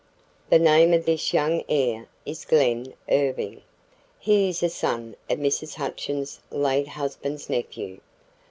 "The name of this young heir is Glen Irving. He is a son of Mrs. Hutchins' late husband's nephew.